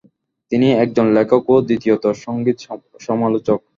তিনি একজন লেখক ও দ্বিতীয়ত সঙ্গীত সমালোচক।